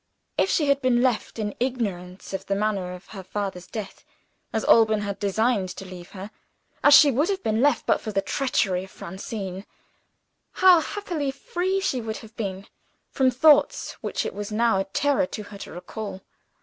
If she had been left in ignorance of the manner of her father's death as Alban had designed to leave her; as she would have been left, but for the treachery of Francine how happily free she would have been from thoughts which it was now a terror to her to recall.